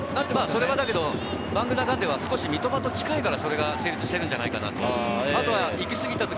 それはでもバングーナガンデは少し三笘と近いからそれが成立しているんじゃないかな。